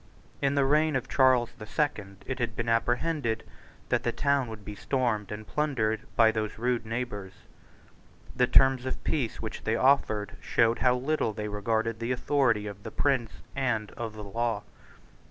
In the reign of Charles the Second, it had been apprehended that the town would be stormed and plundered by those rude neighbours. The terms of peace which they offered showed how little they regarded the authority of the prince and of the law.